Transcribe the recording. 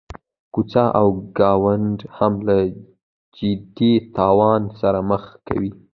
کوڅه او ګاونډ هم له جدي تاوان سره مخ کوي.